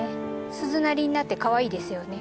鈴なりになってかわいいですよね。